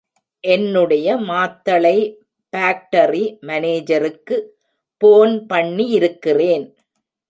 என்னுடைய மாத்தளை பாக்டரி மனோஜருக்கு போன் பண்ணியிருக்கிறேன்.